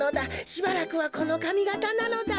しばらくはこのかみがたなのだ。